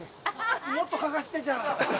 もっとかがせて、じゃあ。